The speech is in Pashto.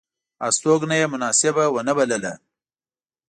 هستوګنه یې مناسبه ونه بلله.